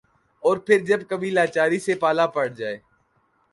اور پھر جب کبھی لاچاری سے پالا پڑ جائے ۔